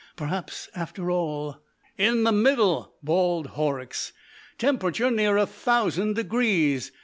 Perhaps, after all.... "In the middle," bawled Horrocks, "temperature near a thousand degrees.